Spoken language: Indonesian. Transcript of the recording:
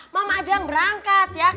mama aja yang berangkat ya